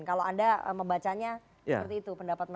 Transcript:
kalau anda membacanya seperti itu